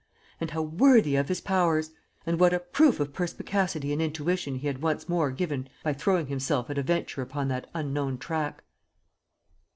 And how worthy of his powers! And what a proof of perspicacity and intuition he had once more given by throwing himself at a venture upon that unknown track!